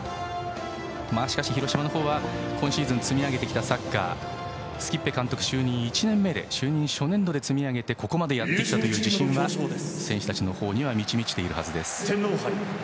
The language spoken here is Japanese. しかし広島の方は、今シーズン積み上げてきたサッカースキッベ監督、就任１年目でここまでやってきたという自信は選手たちのほうに満ち満ちているはずです。